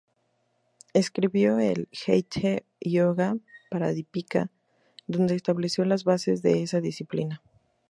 Escribió el "Hatha-ioga-pradípika", donde estableció las bases de esa disciplina.